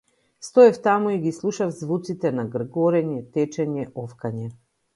Стоев таму и ги слушав звуците на гргорење, течење, офкање.